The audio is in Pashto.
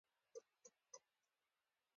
همداسې مې په کراره يوه پښه مخته کوله او بيا بله.